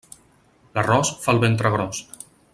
L'arròs fa el ventre gros.